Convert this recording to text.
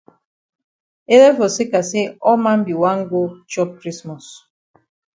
Ele for seka say all man be wan go chop krismos.